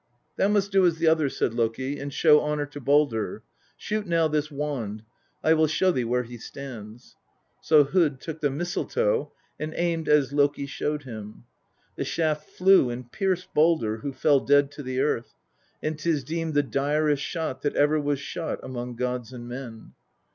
'Thou must do as the others,' said Loki, 'and show honour to Baldr. Shoot now this wand ; I will show thee where he stands.' So Hod took the Mistletoe, and aimed as Loki showed him. The shaft flew and pierced Baldr, who fell dead to the earth, and 'tis deemed the direst shot that ever was shot among gods and men.